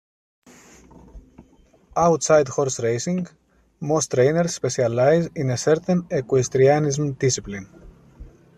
Outside horse racing, most trainers specialize in a certain equestrianism discipline.